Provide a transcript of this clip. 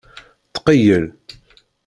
Tqeyyel.